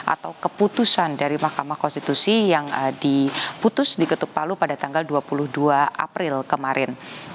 atau keputusan dari mahkamah konstitusi yang diputus di ketuk palu pada tanggal dua puluh dua april kemarin